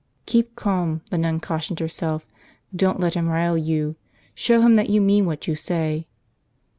Keep calm, the nun cautioned herself, don't let him rile you. Show him that you mean what you say.